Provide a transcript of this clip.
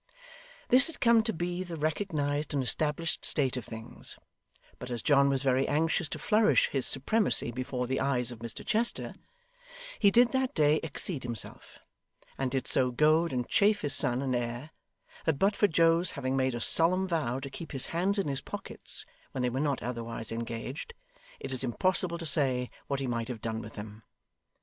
This had come to be the recognised and established state of things; but as John was very anxious to flourish his supremacy before the eyes of Mr Chester, he did that day exceed himself, and did so goad and chafe his son and heir, that but for Joe's having made a solemn vow to keep his hands in his pockets when they were not otherwise engaged, it is impossible to say what he might have done with them.